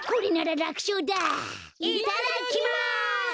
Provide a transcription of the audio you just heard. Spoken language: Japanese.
いただきます。